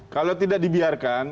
kalau tidak dibiarkan